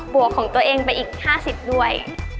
วกของตัวเองไปอีก๕๐ด้วย